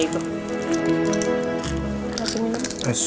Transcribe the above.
udah aja itu